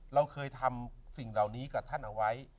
เราเคยทำสิ่งเหล่านี้กับท่านเอาไว้